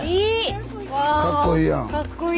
わあかっこいい！